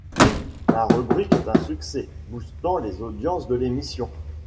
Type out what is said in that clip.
La rubrique est un succès, boostant les audiences de l'émission.